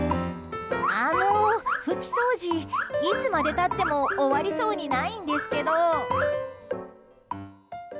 あの、拭き掃除いつまで経っても終わりそうにないんですけど。